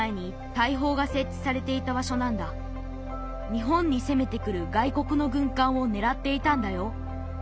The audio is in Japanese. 日本に攻めてくる外国の軍艦をねらっていたんだよ。